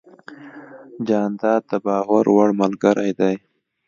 جانداد د باور وړ ملګری دی.